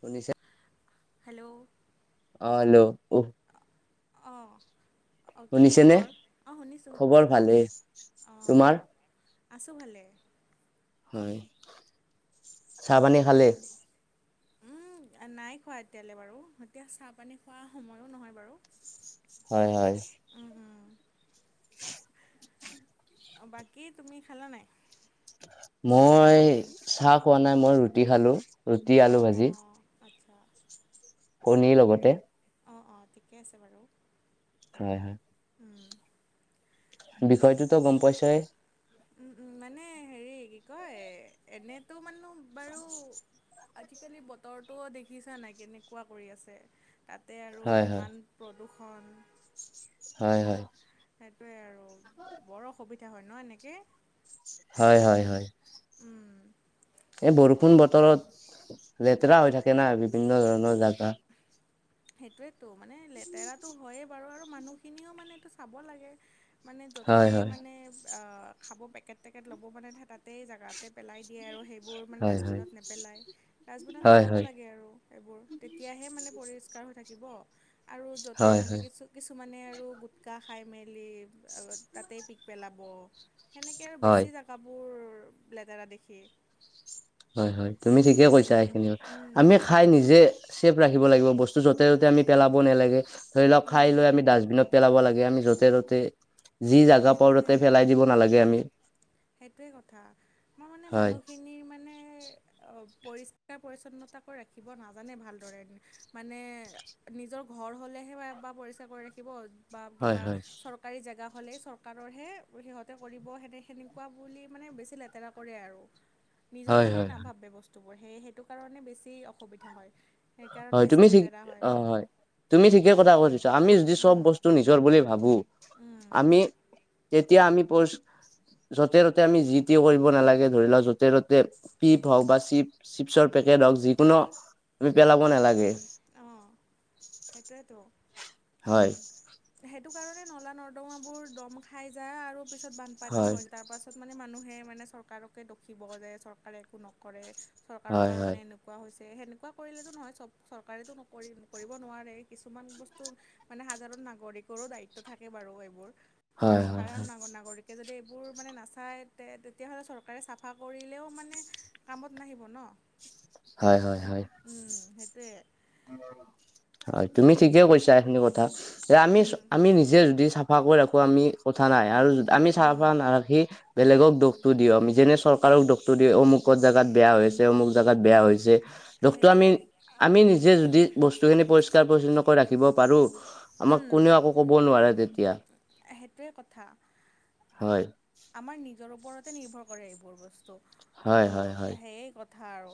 শুনিছা? হেল্লৌ! অঁ হেল্লৌ উ। আ অঁ! অ', কি শুনিছেনে খবৰ অ' শুনিছোঁ, খবৰ শুনিছোঁ ভালেই অ'। তোমাৰ আছোঁ ভালে। হয়, চাহপানী খালে? উম' নাই খোৱা এতিয়ালে বাৰু এতিয়া চাহপানী খোৱা সময়ো নহয় বাৰু। হয়, হয়। [inaudible] ওচচ- অ', বাকী তুমি খালা নাই? মই চাহ খোৱা নাই মই ৰুটি খালো, ৰুটি অঁ আলু ভাজি। অঁ আচ্ছা। কনীৰ লগতে অ অ ঠিকে আছে বাৰু। হয়, হয়। [inaudible] বিষয়টোতো গম পাইছাই। উম, উম মানে হেৰি কি কয় এনেতো মানো বাৰু আজিকালি বতৰটো দেখিছা নাই কেনেকুৱা কৰি আছে। তাতে আৰু হয় হয় ইমান প্ৰদূষণ। হয়, হয়। সেইটোৱে আৰু বৰ অসুবিধা হয় ন এনেকে। হয়ঁ হয়ঁ হয়ঁ! ‌ উম, এই বৰষুণ বতৰত, লেতেৰা হৈ থাকে নাই বিভিন্ন ধৰণৰ জাগা সেইটোৱেতো মানে লেতেৰাটো হয়েই বাৰু আৰু মানুহখিনিও মানে এইটো চাব লাগে। মানে হয় য'তেই হয় মানে আ খাব পেকেট টেকেট ল'ব, মানে তাতেই জেগাতেই পেলাই দিয়ে আৰু হৈই বোৰ মানে হয় হয় ডাষ্টবিনত নেপেলাই, ডাষ্টবিনত হয় পেলাব হয় লাগে আৰু সেইবোৰ তেতিয়াহে পৰিষ্ক কাৰ হৈ থাকিব আৰু য'তে হয় মানে হয় কিছু কিছুমানে আৰু গুটখা খাই মেলি, অ' তাতেই পিক পেলাব। সেনেকে আৰু হয় বেছি জেগাবোৰ লেতেৰা দেখি হয় হয় তুমি ঠিকে উম, কৈছা সেইখিনি আমি উম, খাই নিজে চেফ ৰাখিব লাগিব বস্তু য'তে য'তে আমি পেলাব নালাগে, ধৰি লওক খাই উম, লৈ আমি ডাষ্টবিনত পেলাব লাগে আমি য'তে ত'তে যি জাগা পাওঁ তাতে সেইটোৱে। পেলাই দিব নালাগে আমি সেইটোৱে কথা। মই মানে হয় মানুহখিনিৰ মানে অ পৰিষ্কাৰ পৰি্ছন্নতাকৈ ৰাখিব নাজানে ভালদৰে মানে, নিজৰ ঘৰ হ'লেহে বা পৰিস্কাৰ কৰি ৰাখিব। বা হয় কিবা, হয় চৰকাৰী জেগা হ'লেই চৰকাৰৰহে সিহঁতে কৰিব, সনেকা বুলি মানে বেছি লেতেৰা কৰে আৰু। নিজৰ হয় বুলি হয় নাভাবে বস্তু বস্তুবোৰ, সেই সেইটো কাৰণে বেছি অসুবিধা হয়। সেইকাৰণ হয়, বেছি তুমি ঠিক লেতেৰা অ' হয়, তুমি ঠিকে কথা কৈ দিছা, আমি যদি চব উম, বস্তু নি জৰ বুলি ভাবো, উম, আমি তেতিয়া আমি য'তে ত'তে আমি যি টি কৰিব নালাগে ধৰি লোৱা, য'তে ত'তে [unintelligible] বা চিপ, চিপছৰ পেকেট হওঁক, যিকোনো আমি পেলাব নালাগে। অঁ, সেইটোৱেটো। হয়। সেইটো কাৰণে নলা নৰ্দমা বোৰ দম খাই যায় আৰু পিছত বানপানী হয় হৈ যায়, তাৰ তাৰপাছত মানে মানুহে মানে চৰকাৰকে দুখিব, যে চৰকাৰে একো নকৰে চৰকাৰৰ হয় হয় কাৰণে এনেকুৱা এনে হৈছে, সেনেকুৱা কৰিলেটো নহয় চব চৰকাৰেটো নকৰি, কৰিব নোৱাৰে, কিছুমান বস্তু মানে সাধাৰণ নাগৰিকৰো দায়িত্ব থাকে বাৰু এইবোৰ, হয় ন' হয় সাধাৰণ ন, নাগৰিক যদি এইবোৰ মানে নাচায়, তে, তেতিয়াহ'লে চৰকাৰে চাফা কৰিলেও মানে কামত নাহিব ন'। হয়, হয়, হয়। উম, সেইটোৱে। হয়, তুমি ঠিকে কৈছা এইখিনি কথা, যে আমি, উম আমি নিজে যদি চাফা চাফা কৰি ৰাখো আমি কথা নাই আৰু আমি উম চাফা নাৰাখি বেলেগক দুখটো দিওঁ আমি, যেনে চৰকাৰক দুখটো দিওঁ অমুকত জেগাত বেয়া হৈছে, অমুক জেগাত বেয়া হৈছে। দুখটো আমি, সেইটোৱে আমি নিজে যদি বস্তুখিনি পৰিষ্কাৰ পৰিচছন্নকৈ ৰাখিব পাৰোঁ আমাক উম কোনেও একো ক'ব নোৱাৰে তেতিয়া। সেইটোৱে কথা। হয়। আমাৰ নিজৰ ওপৰতে নিৰ্ভৰ কৰে এইবোৰ বস্তু, হয় হয় ত' হয় সেয়াই কথা আৰু।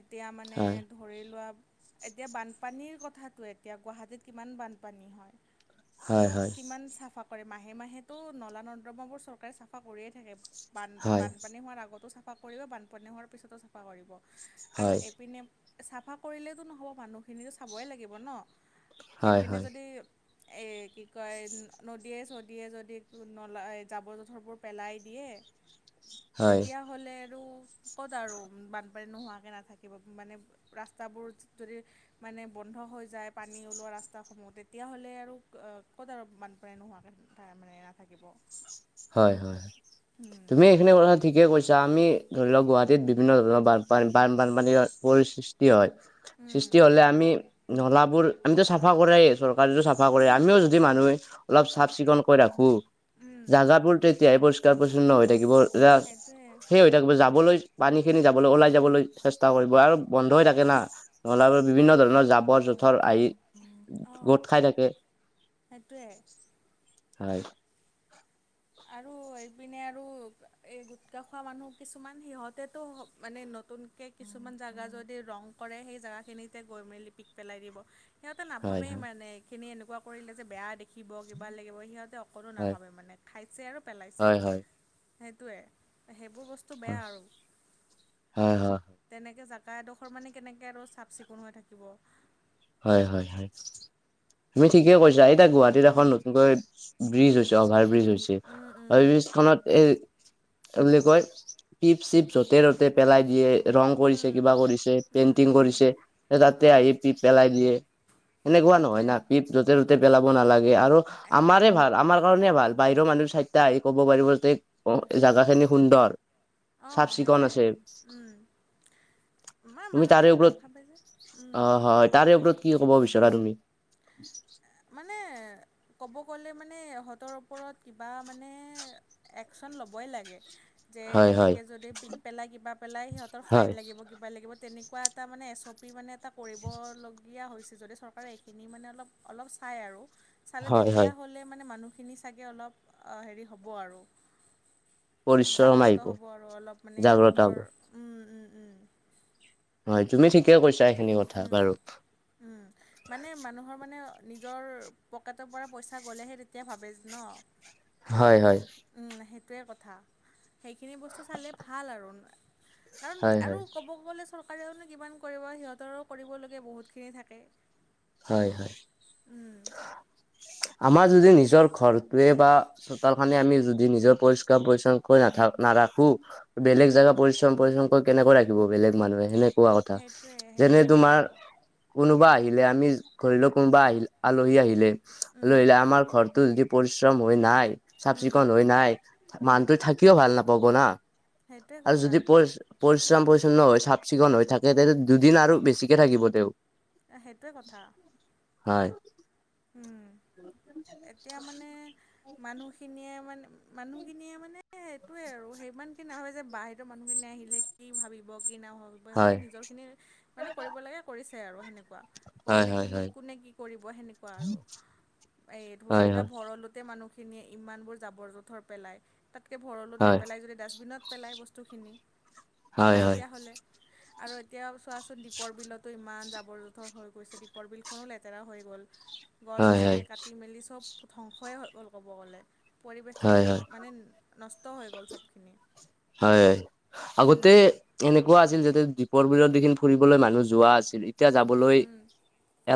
এতিয়া মানে হয় ধৰ ধৰি লোৱা, এতিয়া বানপানীৰ কথাটোৱে, এতিয়া গুৱাহাটীত কিমান বানপানী হয়। হয় তোক হয় কিমান চাফা কৰে, মাহে মাহেটো নলা নৰ্দ্ৰমাবোৰ চৰকাৰে চাফা কৰিয়ে থাকে। বান, হয় বানপানী হোৱাৰ আগতো চাফা কৰিব, বানপানী হোৱাৰ পিছতো চাফা। কৰিব, আৰু হয় এইপিনে চাফা কৰিলেতো নহ'ব, মানুহখিনিতো চাবই লাগিব ন', হয় হয় এইপিনে হয় যদি এ, কি কয়, নদীয়ে-চদিয়ে যদি নলা, জাৱৰ পেলাই দিয়ে, হয় তেতিয়া হ'লে আৰু ক'ত আৰু বানপানী নোহোৱাকৈ নাথাকিব, মানে ৰাস্তাবোৰ যদি মানে বন্ধ হৈ যায় পানী ওলোৱা ৰাস্তাসমূহ, তেতিয়াহ'লে আৰু ক'ত আৰু বানপানী নোহোৱাকৈ তাৰ মানে নাথাকিব। হয়, হয়, হয়। উম, তুমি এইখিনি কথা ঠিকে কৈছা। আমি ধৰি লওঁক, গুৱাহাটীত বিভিন্ন ধৰণৰ বানপানী, বান, বানপানীৰ পৰিসৃষ্টি হয়। উম, সৃষ্টি হ'লে আমি নলাবোৰ, আমিটো চাফা কৰোৱেই, চৰকাৰ টো চফা কৰেই, উম, আমিও যদি মানুহে অলপ চাফ চিকুণকৈ ৰাখোঁ উম, জাগাবোৰ তেতিয়াহে পৰিষ্কাৰ, পৰিচ্ছন্ন হৈ সেইটোৱে থাকিব, সেই যাবলৈ, পানী খিনি যাবলৈ, ওলাই যাবলৈ চেষ্টা কৰিব আৰু বন্ধ হৈ থাকে না। নলাবোৰত বিভিন্ন ধৰণৰ জাবৰ জো পথৰ আহি, অঁ গোট খাই থাকে, সেইটোৱে হয়। আৰু এইপিনে আৰু এই গোটকা খোৱা মানুহ কিছুমান, সিহঁতেতো মানে নতুনকৈ কিছুমান জেগা যদি ৰং কৰে, সেই জেগাখিনিতে গৈ মেলিপিক পেলাই দিব। সিহঁতে হয় নাভাবেই মানে, এইখিনি এনেকুৱা কৰিলে যে বেয়া দেখিব কিবা লাগিব সিহঁতে সকলো হয় নাভাবে মানে, খাইছে আৰু পেলাইছে হয় হয় হয় সেইটোৱেই, সেইবোৰ বস্তু হয় বেয়া আৰু। হয় হয় তেনেকৈ জাগা এডোখৰ মানে কেনেকৈ আৰু চাফ চিকুণ হৈ থাকিব। হয়, হয়, হয়, তুমি ঠিকে কৈছা। এইতিয়া গুৱাহাটীত এখন উম নতুনকৈ ব্ৰিজ হৈছে, অভাৰ বিজ হৈছে উম উম আৰু ব্ৰীজ খনত এই তেওঁ বুলি কয়, পিক চিক যতে ত'তে পেলাই দিয়ে। ৰং কৰিছে, উম কিবা কৰিছে, উম পেইণ্টিং উম কৰিছে, তাতে অঁ আহি পিক পেলাই দিয়ে, সেনেকুৱা নহয় সেইটোৱে না। পিক য'তে ত'তে পেলাব নালাগে। আৰু আমাৰে ভাল, আমাৰ কাৰণে ভাল। বাহিৰৰ মানুহৰ চাইটা আহিব ক'ব পাৰিব যে জোগা খিনি সুন্দৰ। অঁ চাফ চিকুণ সেইটোৱে আছে। উম। আমাৰ তুমি মানুহে তাৰে ওপৰত, নাভাবে যে উম অ', হয় তাৰে ওপৰত কি ক'ব বিচাৰা তুমি। [unintelligible] মানে ক'ব গ'লে, মানে ইহঁতৰ ওপৰত কিবা মানে, একচন ল'বই লাগে। যে হয় হয় এনেকৈ যদি পিক পেলাই কিবা পেলাই, সিহঁতৰ ফাইন হয় লাগিব, কিবা লাগিব। তেনেকুৱা এটা মানে এছ অ' পি মানে এটা কৰিবলগীয়া হৈছে। যদি চৰকাৰে, মানে অলপ, অলপ চাই আৰু, চালে হয় হয় তেতিয়াহ'লে মানে মানুহ খিনি চাগৈ অলপ হেৰি হ'ব আৰু পৰিশ্ৰম আহিব জাগ্ৰত হ'ব আৰু অলপ মানে জাগ্ৰত হ'ব ইহঁতৰ উম, উম উম হয়, তুমি ঠিকে কৈছা, এইখিনি কথা বাৰু। উম, মানে, মানুহৰ মানে, নিজৰ পকেটৰ পৰা পইচা গ'লেহে তেতিয়া ভাবে ন? হয়, হয়। সেইটোৱে কথা, সেইখিনি বস্তু চালে ভাল আৰু। কাৰণ, হয় হয় আৰু ক'ব গ'লে, চৰকাৰেওনো কিমান কৰিব, সিহঁতৰো কৰিবলগীয়া বহুতখিনি থাকে। হয়, হয়। উম, আমাৰ যদি নিজৰ ঘৰটোৱে বা চোতালখনে আমি যদি নিজৰ পৰিষ্কাৰ পৰিচ্ছন্নকৈ নাথ, নাৰাখোঁ উম, বেলেগ জেগা, পৰিশ্ৰম, পৰিশ্ৰম কৰি কেনেকৈ ৰাখিব বেলেগ মানুহে, তেনেকে কোৱা কথা, সেইটোৱে যেনে সেইটোৱে তোমাৰ কথা। কোনোবা আহিলে, আমি, ঘৰিলে, কোনোবা আহিলে, আলহী আহিলে, উম, আলহী আমাৰ ঘৰ যদি পৰিশ্ৰম হৈ নাই চাফ উম, চিকুন হৈ নাই, উম, মানুহটো থাকিও ভাল নাপাব না, সেইটোৱে আৰু কথা যদি পৰি, পৰিশ্ৰম, পৰিচ্ছন্ন হৈ চাফ চিকুণ হৈ থাকে, তেন্তে দুদিন আৰু বেছিকে থাকিব তেওঁ এ সেইটোৱে কথা হয়। উম। [unintelligible] এতিয়া মানে মানুহখিনিয়ে মানে মানুহখিনিয়ে মানে সেইটোৱে আৰু, সিমানখিন নহয় যে বাহিৰতৰ মানুহখিনি আহিলে কি ভাবিব কি নাভাবিব, সিহঁতে হয় নিজৰ খিনি মানে কৰিবলগীয়া কৰিছে আৰু, হেনেকো কোৱা, হয় কৰিলে হয় কিনো হয় কোনে কি কৰিব সেনেকুৱা আৰু, এই ধৰি হয় লোৱা হয় ভ ভৰলোতে মানুহখিনিয়ে ইমানবোৰ জাবৰ জোঁথৰ পেলায়, তাতকৈ ভৰলোত হয় নেপেলাই যদি ডাষ্টবিনত পেলাই বস্তুখিনি, হয় হয় তেতিয়াহ'লে আৰু এতিয়া চোৱাচোন দ্বীপৰ বিলতো ইমান জাবৰ জোথৰ হৈ গৈছে, দীপৰ বিলখনো লেতেৰা হৈ গ'ল। গছ হয় হয় হয় গছনি কাটি মেলি চব ধ্বংসই হৈ গ'ল ক'ব গ'লে, পৰিৱেশটো হয় মানে নষ্ট হৈ গ'ল চবখিনি। হয়, আগতে এনেকুৱা আছিল যাতে দ্বীপৰ বিলৰ দেখি ফুৰিবলৈ মানুহ যোৱা আছিল। এতিয়া যাবলৈ,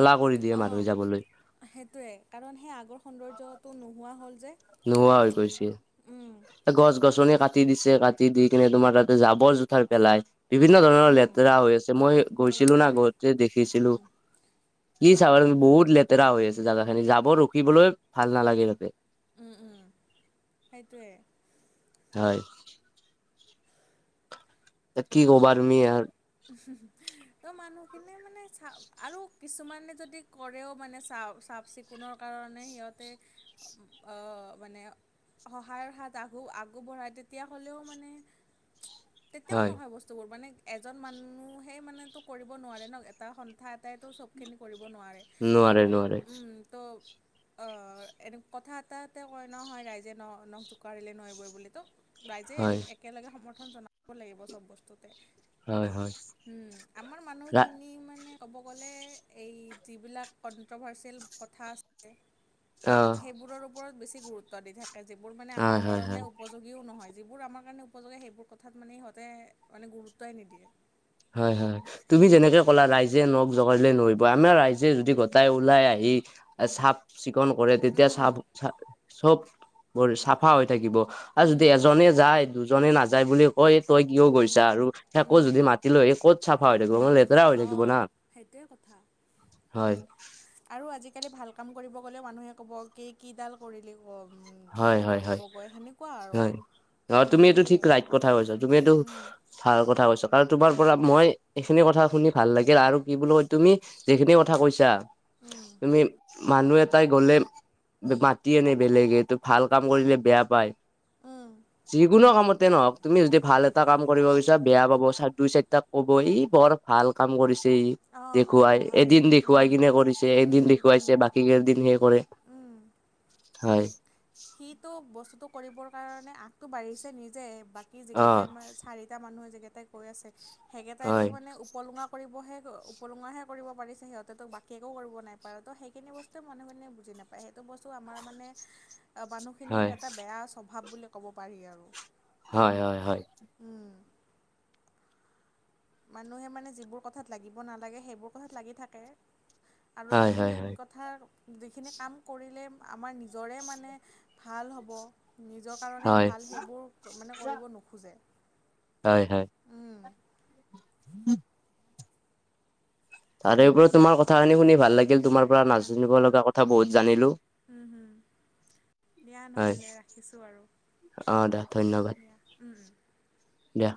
এলাহ কৰি দিয়ে অঁ মানুহে যাবলৈ। সেইটোৱে কাৰণ সেই আগৰ সৌন্দৰ্যটো নোহোৱা হ'ল যে। নোহোৱা হৈ গৈছে। উম গছ গছনি কাটি দিছে কাটি দি কিনে তোমাৰ তাতে জাবৰ জোথাৰ পেলাই। বিভিন্ন ধৰণৰ উম লেতেৰা হৈ আছে, মই গৈছিলো না সেইটোৱে গতে উম দেখিছিলো। কি অঁ চাবা বহুত লেতেৰা হৈ আছে, জেগা খিনি যাব ৰখিবলৈ ভাল নালাগে তাতে। উম, উম সেইটোৱে। হয়। কি ক'বা তুমি আৰ। তো মানুহখিনিয় মানে চা আৰু কিছুমানে যদি কৰেও মানে চা চাফ চিকুণ কোনৰ কাৰণে সিহঁতে অ', মানে সহায়ৰ হাত আগ আগববঢ়ায় তেতিয়া হ'লেও মানে তেতিয়াও হয় নহয় বস্তুবোৰ মানে এজন মানুহেই মানেতো কৰিব নোৱাৰে ন, এটা সন্থা এটাইতো চবখিনি কৰিব নোৱাৰে। ত নোৱাৰে নোৱাৰে উম, ত অ' এনে কথা এটাতে কয় নহয়, ৰাইজে ন নখ জোকাৰিলে ন বই বুলি ত ৰাইজে হয় একেলগে সমৰ্থন জনাব লাগিব চব বস্তুতে। হয় হয়। উম, আমাৰ ৰা মানুহখিনি মানে ক'ব গ'লে এই যিবিলাক কণ্ট্ৰভাৰ্চিয়েল কথা আছে। অ'। সেইবোৰৰ ওপৰত বেছি গুৰুত্ব দি থাকে, যিবোৰ মানে হয় আমাৰ হয় হয় কাৰণে ওপ উপযোগীও নহয়, যিবোৰ আমাৰ কাৰণে উপযোগী সেইবোৰ কথাত মানে ইহঁতে মানে গুৰুত্বই নিদিয়ে। হয় হয়, তুমি উম, যেনেকে কলা ৰাইজে নক জোকাৰিলে নৈ বই আমাৰ ৰাইজে যদি গোটাই ওলাই আহি, চাফ চিকুন কৰে তেতিয়া উম, চফ চব, চাফা হৈ থাকিব, আৰু যদি উম, এজনে যায় দুজনে নাযায় বুলি কই তই কিয় উম, গৈছা, আৰু তাকো উম, যদি মাতি লৈ আহি ক'ত চাফা হৈ থাকব ম লেতেৰা হৈ থাকিব অ', না, সেইটোৱে কথা। হয়। আৰু আজিকালি ভাল কাম কৰিব গ'লেও মানুহে ক'ব কি কিডাল কৰিলি, উম, হয় হয় হয় কৰিবগৈ সেনেকুৱা আৰু। হয় অ' এ, তুমি এইটো সেয়ে ঠিক ৰাইট কথা কৈছা, তুমি এইটো উম, ভাল কথা কৈছা, কাৰণ তোমাৰ পৰা মই, এইখিনি কথা শুনি ভাল লাগিল, আৰু কি বুলি কয় তুমি যিখিনি কথা কৈছা উম, তুমি মানুহ এটাই গ'লে, মাতি আনে বেলেগে ত ভাল কাম কৰিলে বেয়া পায়, উম। যিকোনো কামতে নহক তুমি যদি ভাল এটা কাম কৰিব বিছাৰে বেয়া পাব চ দুই চাৰিটাক কব ই বৰ ভাল কাম কৰিব ই। অঁ অঁ দেখুৱাই হয় এদিন দেখুৱাই উম কিনে কৰিছে উম এদিন উম উম দেখুৱাইছে বাকী দিন সে কৰে, উম হয়। সিটো বস্তুতটো কৰিবৰ কাৰণে আগটো বাঢ়িছে নিজে, বাকী অ যিকেইটাই মানে চাৰি টা মানুহে যিকেইটাই কৈ আছে সেইকেইটা টো হয় মানে ওপ উপলুঙা কৰিবহে উপলুঙাহে কৰিব পাৰিছে সিহঁতেতো বাকী একো কৰিব নাই পাৰা তো সেইখিনি বস্তু একদম মানুহখিনি য়ে বুজি নাপায় সেইটো বস্তু আমাৰ মানে মানুহখিনিৰ হয় এটা বেয়া স্বভাৱ বুলি ক'ব পাৰি আৰু। হয়- হয়- হয়। উম। মানুহে মানে যিবোৰ কথাত লাগিব নালাগে সেইবোৰ কথাত লাগি থাকে আৰু হয় যিখিনি হয় হয় কথা যিখিনি কাম কৰিলে আমাৰ নিজৰে মানে ভাল হ'ব নিজৰ কাৰণে হয় ভাল সেইবোৰ মানে কৰিব নোখোজে। উম। উম। তাৰে ওপৰত তোমাৰ কথাখিনি শুনি ভাল লাগিল, তোমাৰ পৰা নাজানিব লগা কথা বহুত জানিলোঁ। হুম, হুম, দিয়া হয় নহ'লে ৰাখিছোঁ আৰু। অ' দা ধন্যবাদ। দিয়া উম, উম। দিয়া।